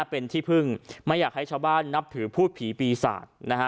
เป็นที่พึ่งไม่อยากให้ชาวบ้านนับถือพูดผีปีศาจนะฮะ